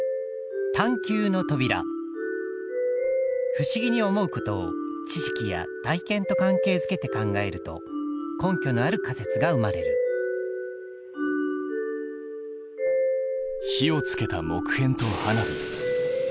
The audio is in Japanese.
不思議に思うことを知識や体験と関係づけて考えると根拠のある仮説が生まれる火をつけた木片と花火。